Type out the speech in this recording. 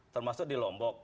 termasuk di lombok